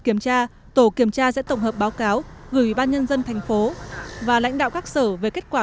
kiểm tra tổ kiểm tra sẽ tổng hợp báo cáo gửi ban nhân dân thành phố và lãnh đạo các sở về kết quả